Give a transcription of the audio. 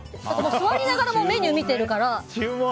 座りながらメニュー見てるから。